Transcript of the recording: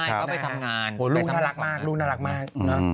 ใช่ก็ไปทำงานลูกน่ารักมาก